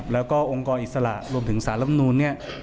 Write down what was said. แล้วก็องค์กรอิสระรวมถึงสารลำนูนเนี่ย